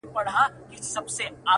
چي مي ستونی په دعا وو ستړی کړی،